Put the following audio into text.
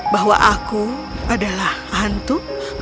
bahwa aku adalah hantu